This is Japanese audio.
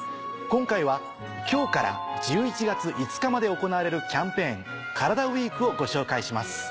今回は今日から１１月５日まで行われるキャンペーン「カラダＷＥＥＫ」をご紹介します。